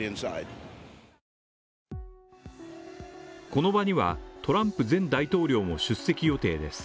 この場には、トランプ前大統領も出席予定です。